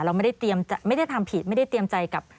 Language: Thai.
เราไม่ได้ทำผิดไม่ได้เตรียมใจกับ